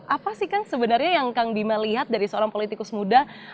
apa sih kan sebenarnya yang kang bima lihat dari seorang politikus muda